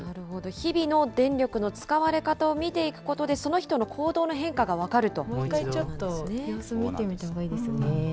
日々の電力の使われ方を見ていくことで、その人の行動の変化が分かると。